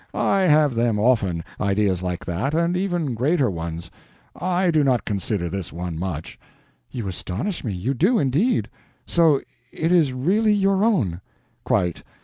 I have them often—ideas like that—and even greater ones. I do not consider this one much." "You astonish me; you do, indeed. So it is really your own?" "Quite.